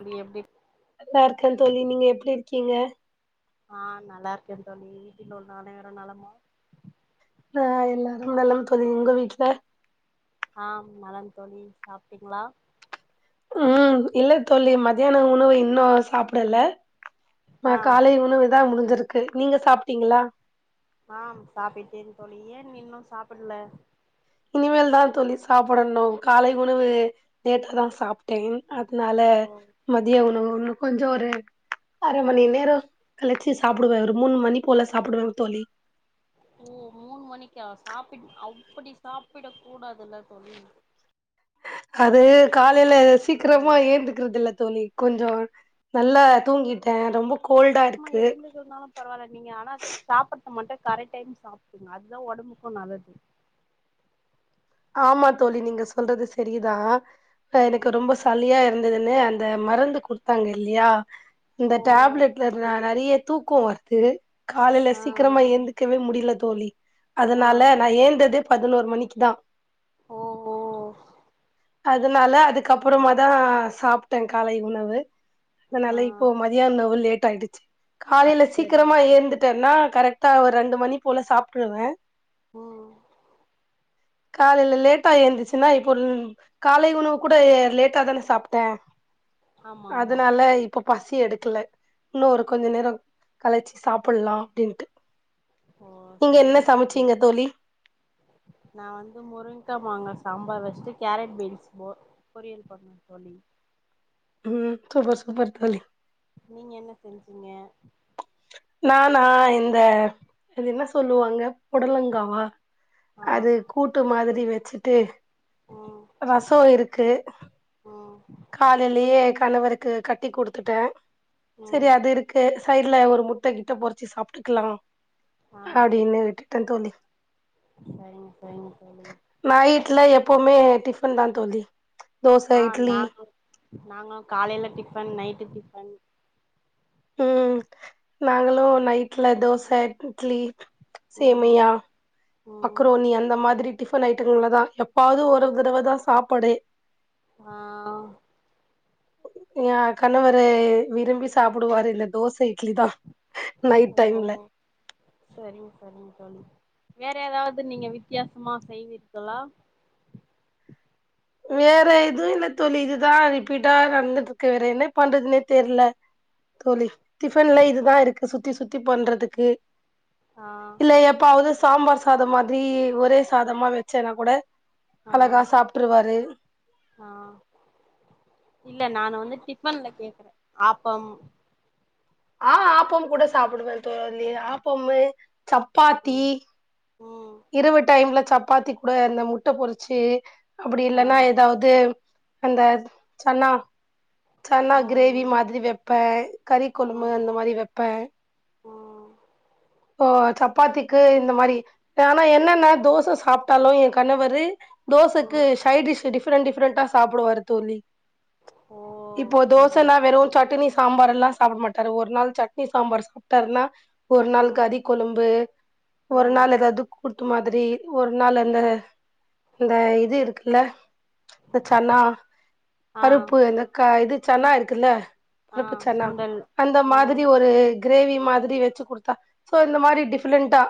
அப்டி எப்டி நல்லா இருக்கே தோழி நீங்க எப்டி இருக்கீங்க ஆ நல்லா இருக்கே தோழி வீட்டுல உள்ள அனைவரு நலமா ஆ எல்லாரு நலம் தோழி உங்க வீட்ல ஆ ம் நலம் தோழி சாப்டீங்களா ம் இல்ல தோழி மதியானோ உணவு இன்னு சாப்டல ஆ நா காலை உணவு தா முடிஞ்சிருக்கு நீங்க சாப்டீங்களா ஆம் சாப்பிட்டே தோழி ஏன் இன்னு சாப்டல இனிமேல் தா தோழி சாப்டணு காலை உணவு லேட்டா தா சாப் டே அதுனால ஓ மதியோ உணவு ஒன்னு கொஞ்சோ ஒரு அரை மணி நேரம் கழிச்சி சாப்டுவே ஒரு மூணு மணி போல சாப்பிடுவேங்க தோழி ஓ மூணு மணிக்கா சாப்பி அப்டி சாப்ட கூடாதுல்ல தோழி அது காலையில நல்லதில்ல சீக்கிரமா எழுந்துக்கறதில்ல தோழி கொஞ்சோ நல்லா தூங்கிட்டே ரொம்ப கோல்டா ஆமா இருக்கு எழுந்து இருந்தாலு பரவால்ல நீங்க ஆனா சாப்புட்டு மட்டு கரெக்ட் டைம் சாப்ட்ருங்க அத்தா ஒடம்புக்கு நல்லது ஆமா தோழி நீங்க சொல்றது செரிதா எனக்கு ம் ரொம்ப சலியா இருந்ததுனு அந்த மருந்து குடுத்தாங்க இல்லியா இந்த ஓ டேப்லட்ல நா நெறைய தூக்கோ வர்து காலையில ஆ சீக்கிரமா ஏந்துக்கவே முடியில தோழி ஆ அதனால நா ஏந்தது பதுனோரு மணிக்கு தா ஓ ஓ அதனால அதுக்கப்புறமா தா சாப்ட்ட காலை உணவு அதனால ஆ இப்போ மதியானவு லேட் ஆயிடுச்சி காலையில சரிங்க சீக்கிரமா சரிங்க ஏந்துட்டன்னா கரெக்ட் டா ஒரு ரெண்டு மணி போல சாப்ட்ருவே ம் காலையில லேட்டா ஏந்திருச்சின்னா இப்போல் காலை உணவு கூட ஏ லேட்டா தான சாப்ட்டே ஆமா ஆமா அதனால இப் ப பசி எடுக்கல இன்னு ஒரு கொஞ்ச நேரோ கழச்சி சாப்புல்லா அப்டின்ட்டு ஓ நீங்க என்ன சரிங்க சமச்சீங்க சரிங்க தோழி நா வந்து முருங்கா மாங்கா சாம்பார் வச்ட்டு கேரட் பீன்ஸ் பொ பொரியல் பண்ண தோழி ம் சூப்பர் சூப்பர் தோழி நீங்க என்ன செஞ்சீங்க நானா இந்த அது என்ன சொல்லுவாங்க பொடலங்காவா ஆ அது கூட்டு மாதிரி வச்சிட்டு ம் ரசோ இருக்கு ம் காலைலியே கணவருக்கு கட்டி குடுத்துட்டே செரி ம் அது இருக் கு சைட்ல ஒரு முட்ட கிட்ட பொரிச்சி சாப்ட்டுக்கலா ஆ அடின்னு விட்டுட்டே தோழி சரிங்க சரிங்க தோழி நைட்ல எப்பவுமே டிஃபன் தா தோழி தோச ஆ இட்லி நாங்க நாங்க காலைல டிஃபன் நைட்டு டிஃபன் ம் நாங்களு நைட்ல தோச இட்லி ம் சேமியா ம் மக்ரோனி அந்த மாதிரி டிஃபன் ஐட்டங்கல்ல தா எப்பாவது ஒரு தடவ தா சாப்பாடு ஆ ஏ கணவரு விரும்பி சாப்புடுவாரு இந்த தோச இட்லி தா ஓ சரிங்க சரிங்க தோழி வேற ஏதாவது நீங்க வித்யாசமா செய்வீர்களா வேற எதுவு இல்ல தோழி இதுதா ரிப்பீட்டா நடந்துட்ருக்கு வேற என்ன பண்றதுனே தெர்ல தோழி டிஃபன்ல இதுதா இருக்கு சுத்தி சுத்தி பண்றதுக்கு ஆ இல்ல எப்பாவது சாம்பார் சாதம் மாதிரி ஒரே சாதமா வச்சேனா கூட ஆ அழகா சாப்ட்டுருவாரு ஆ இல்ல நானு வந்து டிப்பன்ல கேக்கறே ஆப்பம் ஆ ஆப்பம் கூட சாப்புடுவே தோழி ஆப்பமு சப்பாத்தி ம் ம் இரவு டைம்ல சப்பாத்தி கூட அந்த முட்ட பொறிச்சி அப்டி ஆ இல்லனா எதாவத் அந்த சன்னா சன்னா ம் கிரேவி மாதிரி வைப்பேன் கறி கொழம்பு ம் அந்த மாரி வப்பேன் ம் ஆ சப்பாத்திக்கு இந்த மாரி ஆனா என்னன்ன தோசை சாப்ட்டாலும் என் கணவர்ரு தோசைக்கு ம் ஷைடிஷ் டிஃப்ரெண்ட் டிஃப்ரெண்டா சாப்டுவே ஓ [unintelligible] இப்போ சரி தோசைல்லாம் வெறும் சட்னி சாம்பார்ல்லாம் சாப்ட மாட்டாரு ஒரு நாள் சட்னி சாம்பார் சாப்ட்டாருன்னா ஒரு நாள் ம் கறி கொழும்பு ஒரு ம் நாள் ஏதாது கூட்டு மாரி ஒரு நாள் அந்த க இந்த இது இருக்குல்ல இந்த சன்னா ஆ பருப்பு எந்த கா இது சன்னா இருக்குல்ல ஆ பருப்பு சன்னா சுண்டல் அந்த மாரி ம் ஒரு கிரேவி மாதிரி வச்சு குடுத்தா சோ இந்த மாதிரி டிஃப்ரெண்ட்டா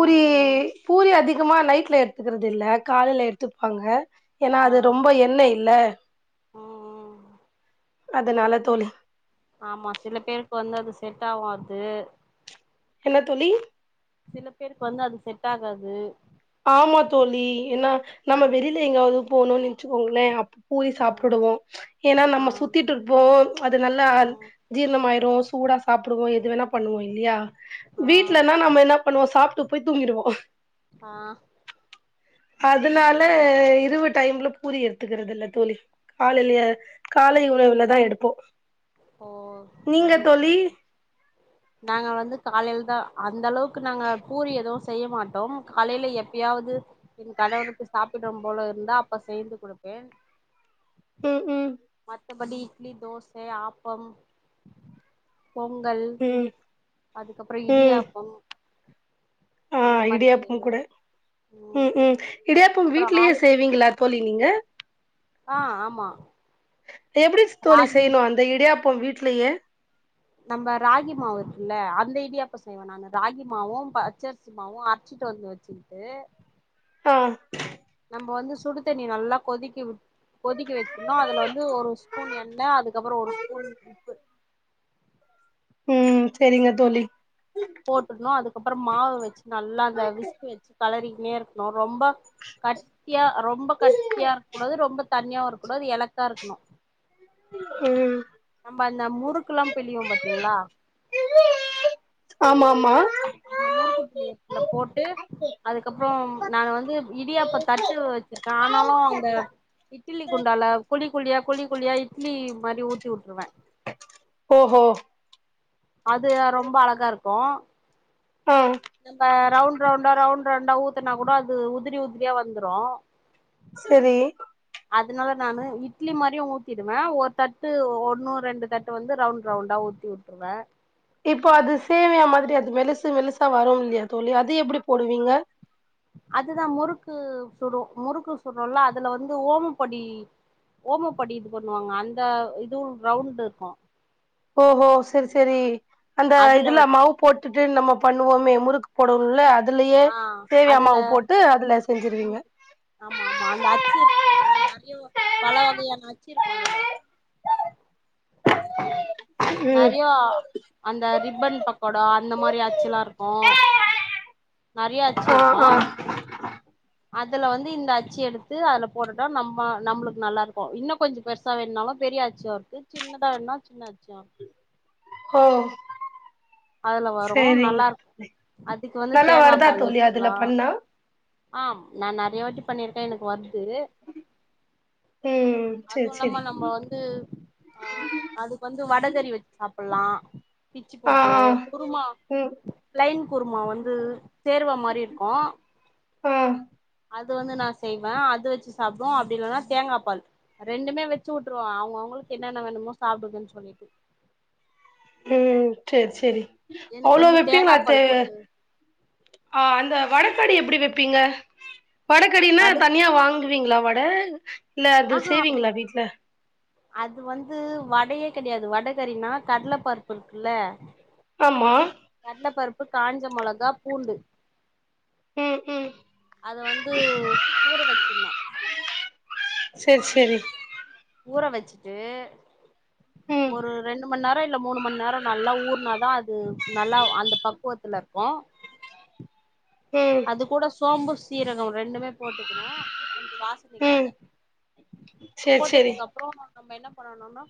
ம் ம் பூரி அதிகமா நைட்ல எடுத்துக்கறதுல்ல காலையில எடுத்துப்பாங்க ஏன்னா ஆ அது ரொம்ப எண்ண இல்ல ம் ம் அதனால தோழி ஆமா சில பேருக்கு வந்து அது செட் ஆகாது என்ன தோழி சில பேருக்கு வந்து அது செட் ஆகாது ஆமா தோழி ஏன்னா நம்ம ம் வெளில எங்காவது போகணும்னு நெனச்சுக்கோங்களேன் ஊதி ஆ சாப்டுவோம் ஏன்னா ஆ நம்ம சுத்திட்டுயிருப்போம் அது நல்லா ம் ஜீரணமாயிரும் சூடா சாப்டுவோம் எது வேணா பண்ணுவோம் இல்லையா ஆ வீட்லன்னா நம்ம என்ன பண்ணுவோம் சாப்ட்டு போய் தூங்கிடுவோம் ஆ அதனால இரவு டைம்ல பூரி எடுத்துக்கறதுயில்ல தோழி காலையிலயே காலை உணவுலதான் எடுப்போம் ஓ செரிங்கத்த [inaudible] நாங்க வந்து காலையில தான் அந்த அளவுக்கு நாங்க பூரி எதுவும் செய்ய மாட்டோம் காலையில எப்பயாவது என் கணவருக்கு சாப்பிடும் போல இருந்தா அப்ப செஞ்சு கொடுப்பேன் ம் ம் மத்தபடி இட்லி தோசை ஆப்பம் பொங்கல் ம் அதுக்கப்புறம் ம் இடியாப்பம் ஆ அந்த மாரி இடியாப்பம் செய்வே கூட ம் ம் இடியாப்பம் அப்றோ வீட்லயே ஆளு செய்வீங்களா தோழி நீங்க ஆ ஆமா எப்டி தோழி ராகி செய்யணும் அந்த இடியாப்பம் வீட்லயே நம்ம ராகி மாவு இருக்குல்ல அந்த ஐடியாப்போ செய்வேன் நானு ராகி மாவும் பச்சரிசி மாவும் அரைச்சிட்டு வந்து வச்சுக்கிட்டு ஆ நம்ப வந்து சுடு தண்ணி நல்லா கொதிக்க விட் கொதிக்க வச்சிருந்தோம் அதுல வந்து ஒரு ஸ்பூன் எண்ணெய் அதுக்கப்புறம் ஒரு ஸ்பூன் உப்பு ம் செரிங்க தோழி போட்டுக்கணும் அதுக்கப்புறம் மாவை வச்சு நல்லா அந்த விஸ்கு வச்சு கலரிங்கனே இருக்கணும் ரொம்ப கட்டியா ரொம்ப கட்டியா இருக்க கூடாது ரொம்ப தண்ணியாவும் இருக்கூடாது எலக்கா இருக்கணும் ம் நம்ம அந்த முறுக்குெல்லாம் பிழிி தக்கம் பாத்தீங்களா ஆமா ஆமா அந்த முறுக்கு புளியத்துல போட்டு அதுக்கப்றோ நானு வந்து இடியாப்ப தட்டு வச்ச ஆனாலும் அந்த இட்டிலி குண்டால கொழி குழியா கொழி குழியா இட்லி மாரி ஊத்தி விட்ருவே ஓ ஹோ அது ரொம்ப அழகா இருக்கும் ம் நம்ம ரவுண்ட் ரவுண்டா ரவுண்ட் ரவுண்டா ஊத்தனா கூட அது உதிரி உதிரியா வந்துரும் சரி அதனால நானு இட்லி மாரியும் ஊத்திடுவே ஒரு தட்டு ஒன்னு ரெண்டு தட்டு வந்து ரவுண்ட் ரவுண்டா ஊத்தி விட்டுருவே இப்போ அது சேமியா மாதிரி அது மெலசு மெலசா வரும் இல்லையா தோழி அது எப்டி போடுவீங்க அதுதா முறுக்கு சுடும் முறுக்கு சுடும்ல அதுல வந்து ஓமப்படி ஓமப்படி இது பண்ணுவாங்க அந்த இது ரவுண்ட் இருக்கும் ஓஹோ சரி சரி அந்த அதுல இதுல வச் மவுத் போட்டுட்டு நம்ம பண்ணுவோமே முறுக்கு போடுவோல்ல அது அதுலயே ஆ சேவயா அதுல மாவு போட்டு அதுல செஞ்சிருவீங்க ம் ஆமா ஆமா அந்த அச்சு இருக்கும் பாத்தீங்கன்னா நிறைய பல வகையான அச்சு இருக்கும் அதுல நெறையா அந்த ரிப்பன் பக்கோடா அந்த மாரி ஆச்சுல்லா இருக்கும் நறைய அச்சு ஆ ஆ இருக்கும் அதுல வந்து இந்த அச்சி எடுத்து அல போட்டுட்டா நம்ம நம்மளுக்கு நல்லா இருக்கும் இன்னு கொஞ்ச பெரு சா வேணாலு பெரிய அச்சும் இருக்கு சின்னதா வேனுன்னா சின்ன அச்சும் ஆ அதுல வரும் நல்லா இருக்கு அதுக்கு வந்து நல்லா தேங்கா வருதா பால் தோழி அதுல வச்சுக்கலா பண்ணா ஆம் நா நறைய வாட்டி பண்ணிருக்கே எனக்கு வருது ம் அதுவு சேரி சேரி இல்லாம நம்ம வந்து ஆ அதுக்கு வந்து வடகறி வச்சு சாப்பில்லா பிச்சு ஆ போட் ட்டு ஆ குருமா ம் பிளேன் குருமா வந்து சேர்வ மாரி இருக்கும் ம் அது வந்து நா செய்வே அது வச்சு சாப்புடுவோ அப்டி இல்லன்னா தேங்கா பால் ரெண்டுமே வச்சு வுட்ருவே அவங்க அவங்களுக்கு என்னென்ன வேணுமோ சாப்புடுங்கன்னு சொல்லிட்டு ம் சேரி சேரி எனக்கு அவ்ளோ வந்து வைப்பீங்களா தேங்கா தே பால் போட்டு ஆ அந்த வடக்கறி எப்டி வைப்பீங்க வடக்கறினா வட தனியா வாங்க வாங்குவீங்களா வட இல்ல அது ஆஹா செய்வீங்களா வீட்ல அது வந்து வடையே கெடையாது வடகறினா கடல பருப்பு இருக்குல்ல ஆமா கடலப்பருப்பு காஞ்ச மெளகா பூண்டு ம் ம் அத வந்து ஊற வச்சிருனும் சேரி சேரி ஊற வச்சுட்டு ம் ஒரு ரெண்டு மண் நே ரோ இல்ல மூணு மண் நேரோ நல்லா ஊர்னாதா அது நல்லா அந்த பக்குவத்துல இருக்கும் ஆ [inaudible] அது கூட சோம்பு சீரகம் ரெண்டுமே போட்டுக்கணு கொஞ்சோ வாசனைக்காக ம் சேரி சேரி போட்டதுக்கு அப்றோ நம்ம என்ன பண்ணணும்னா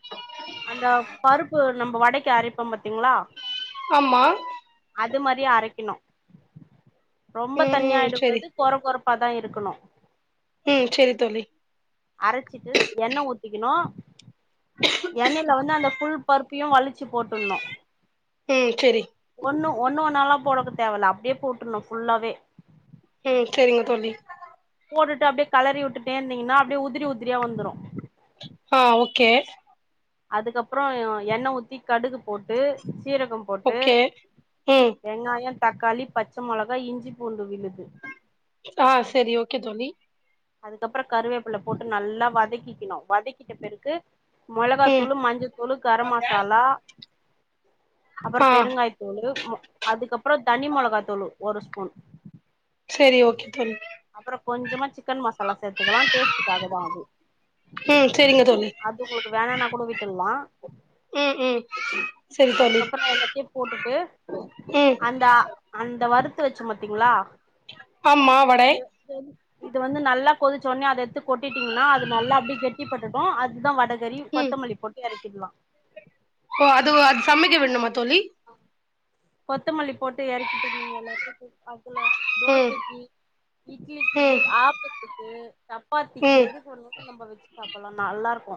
அந்த பருப்பு நம்ம வடைக்கு அரப்போ பாத்தீங்ளா ஆமா அது மாரியே அரைக்குணு ரொம்ப ம் ம் தண்ணியாயிட சேரி கூடாது தொர கொரப்பாதா இருக்குணு ம் சேரி தோழி அரச்சிட்டு எண்ணெ ஊத்திக்குணு எண்ணெயில வந்து அந்த ஃபுல் பருப் பியு வழிச்சு போட்டுன்ணு ம் சேரி ஒன்னு ஒன்னு ஒன்னாலா போடக்க தேவல்ல அப்டியே போட்டுருணு ஃபுல்லாவே ம் சேரிங்க தோழி போட்டுட்டு அப்டியே களறி வுட்டுட்டே இருந்தீங்கன்னா அப்டியே உதிரி உதிரியா வந்துரு ஆ ஓகே அதுக்கப்றோ எண்ணெ ஊத்தி கடுகு போட்டு சீரகோ போட்டு ஓகே ம் வெங்காயோ தக்காளி பச்ச மொளகா இஞ்சி பூண்டு விழுது ஆ சேரி ஓகே தோழி அதுக்கப்றோ கருவேப்பில போட்டு நல்லா வதக்கிக்குணு வதக்கிட்ட பிறகு ம் மொளகாத்தூளு மஞ்சத்தூளு கர மசாலா அப்றோ ஆ பெருங்காய அதுக்கப்றோ தனி மொளகாய் தூளு ஒரு ஸ்பூன் சேரி ஓகே தோழி அப்றோ கொஞ்சமா சிக்கன் மசாலா சேத்துக்கலா டேஸ்டுக்காக தா அது ம் செரிங்க தோழி அது உங்ளுக் வேணனா கூட விட்டுல்லா ம் ம் செரி தோழி அதுக்கப்றோ எல்லாத்தியு போட்டுட்டு ம் அந்த ஆ அந்த வறுத்து வச்சோ பாத்தீங்ளா ஆமா வடை இது வந்து நல்லா கொதிச்ச ஒன்னே அத எடுத்து கொட்டிட்டீங்கன்னா அது நல்லா அப்டியே கெட்டிபட்டுட்டு அதுதா வடகறி ம் கொத்தமல்லி போட்டு எறக்கிட்லா ஓ அதுவா அது சமைக்க விடணுமா தோழி கொத்தமல்லி போட்டு எறக்கிட்டு நீங்க எல்லாத்துக்கு சாப்புல்லா ம் தோசைக்கி இட்லிக்கி ம் ஆப்பத்துக்கு சப்பாத்திக்கு ம் எதுக்கு வேணுனாலு நம்ப வச்சு சாப்பில்லா நல்லா இருக்கு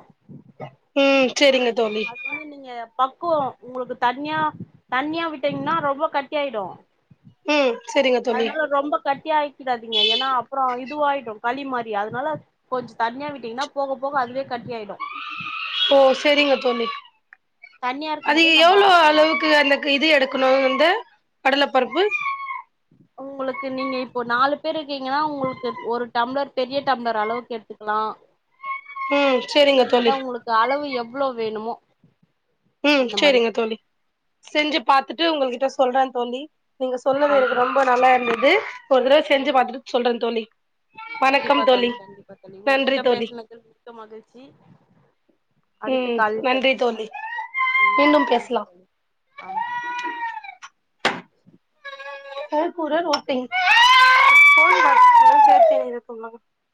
ம் சேரிங்க தோழி அது வந்து நீங்க பக்குவோ உங்களுக்கு தண்யா தண்ணியா விட்டீங்கன்னா ரொம்ப கட்டியாயிடு ம் செரிங்க தோழி அதுனால ரொம்ப கட்டியாக்கிடாதீங்க ஏனா அப்றோ இதுவாயிடு களி மாரி அதுனால கொஞ்சோ தண்ணியா விட்டீங்கன்னா போக போக அதுவே கட்டி ஆயிடு ஓ சேரிங்க தோழி தண்ணியா இருக்கும் அது போதே நம்ம எவ்ளோ ஆஃப் பண்ணி அளவுக்கு அந்த இது எடுக்குணுந்து கடல பருப்பு உங்களுக்கு நீங்க இப்போ நாலு பேர் இருக்கீங்கன்னா உங்களுக்கு ஒரு டம்ளர் பெரிய டம்ளர் அளவுக்கு எடுத்துக்குலா ம் சேரிங்க தோழி உங்களுக்கு அளவு எவ்ளோ வேணுமோ ம் அந்த மாரி சேரிங்க தோழி செஞ்சு பாத்துட்டு உங்கள்கிட்ட சொல்ற தோழி நீங்க சொன்னது தண்ணி எனக்கு ரொம்ப நல்லா இருந்துது ஒரு தடவ செஞ்சு ம் பாத்தட்டு சொல்ற தோழி கண்டிப்பா தோழி கண்டிப்பா தோழி நன்றி உங்ககிட்ட தோழி பேசுனதில் மிக்க மகிழ்ச்சி அடுத்த ம் காலில் நன்றி சந்திப்போ தோழி ம் மீண்டும் நன்றி தோழி ஆமா [inaudible]